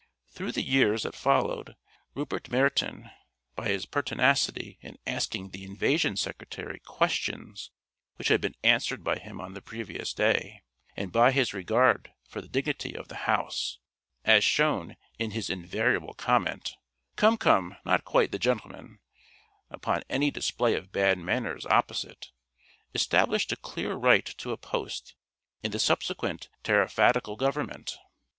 Through the years that followed, Rupert Meryton, by his pertinacity in asking the Invasion Secretary questions which had been answered by him on the previous day, and by his regard for the dignity of the House, as shown in his invariable comment, "Come, come not quite the Gentleman," upon any display of bad manners opposite, established a clear right to a post in the subsequent Tariffadical Government.